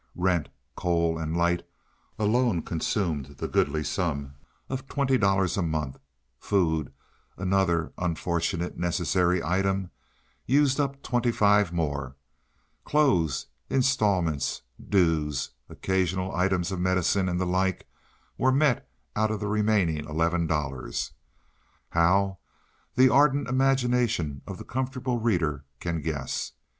Rent, coal, and light alone consumed the goodly sum of twenty dollars a month; food, another unfortunately necessary item, used up twenty five more; clothes, instalments, dues, occasional items of medicine and the like, were met out of the remaining eleven dollars—how, the ardent imagination of the comfortable reader can guess.